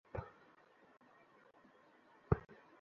এটা বলে আমি তোমার বিরুদ্ধে কেস ঘুরিয়ে দিতে পারি।